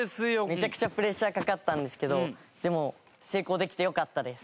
めちゃくちゃプレッシャーかかったんですけどでも成功できてよかったです。